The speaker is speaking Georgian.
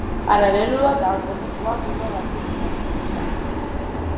პარალელურად ალბომი კვლავ პირველ ადგილს ინარჩუნებდა.